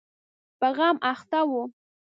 په غم اخته و.